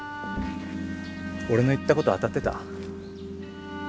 俺の言ったこと当たってた？